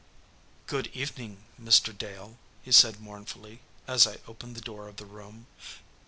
"Good evening, Mr. Dale," he said mournfully, as I opened the door of the room.